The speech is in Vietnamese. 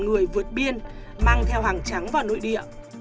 một mươi người vượt biên mang theo hàng trắng vào nội địa